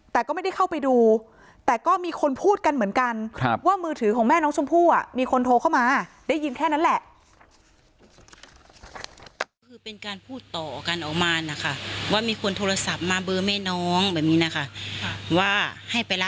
แต่ก็ไม่ได้เข้าไปดูแต่ก็มีคนพูดกันเหมือนกันว่ามือถือของแม่น้องชมพู่มีคนโทรเข้ามาได้ยินแค่นั้นแหละ